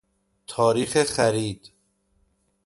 تاریخ خرید